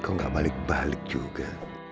kau gak balik balik juga